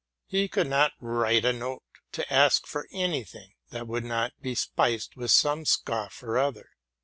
He could not write a note to ask for any thing that would not be spiced with some scoff or other.